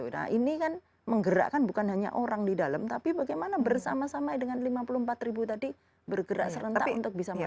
nah ini kan menggerakkan bukan hanya orang di dalam tapi bagaimana bersama sama dengan lima puluh empat ribu tadi bergerak serentak untuk bisa melakukan